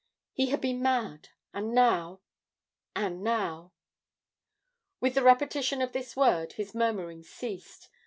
He had been mad, and now and now With the repetition of this word his murmuring ceased.